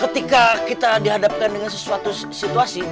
ketika kita dihadapkan dengan sesuatu situasi